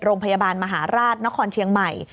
โรงพยาบาลมหาราชนครเชียงใหม่